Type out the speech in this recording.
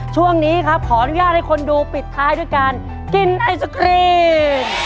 ช่วงนี้ครับขออนุญาตให้คนดูปิดท้ายด้วยการกินไอศครีม